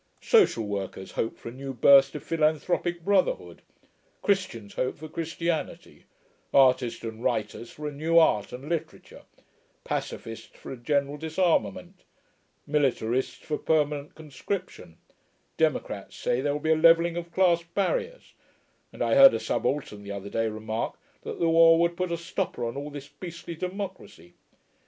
Social workers hope for a new burst of philanthropic brotherhood; Christians hope for Christianity; artists and writers for a new art and literature; pacificists for a general disarmament; militarists for permanent conscription; democrats say there will be a levelling of class barriers; and I heard a subaltern the other day remark that the war would 'put a stopper on all this beastly democracy.'